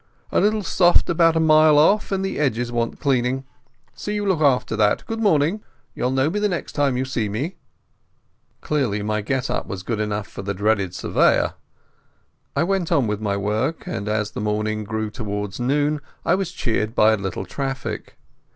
A little soft about a mile off, and the edges want cleaning. See you look after that. Good morning. You'll know me the next time you see me." Clearly my get up was good enough for the dreaded Surveyor. I went on with my work, and as the morning grew towards noon I was cheered by a little traffic.